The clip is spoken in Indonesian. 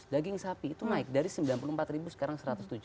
daging sapi itu naik dari sembilan puluh empat sekarang satu ratus tujuh